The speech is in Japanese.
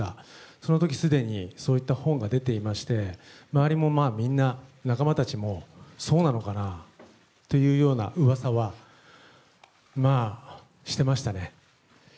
そのときすでに、そういった本が出ていまして、周りもみんな、仲間たちも、そうなのかなっていうようなうわさは、まあ、してましたね。